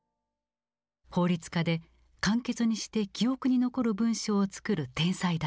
法律家で簡潔にして記憶に残る文章を作る天才だった。